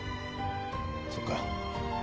そっか。